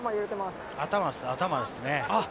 頭ですね。